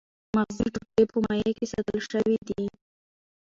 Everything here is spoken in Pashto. مغزي ټوټې په مایع کې ساتل شوې دي.